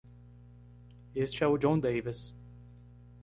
Este é o Jon Davis.